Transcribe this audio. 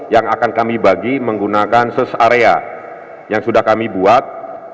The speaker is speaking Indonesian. yang akan kami bagi menggunakan search area yang sudah kami buat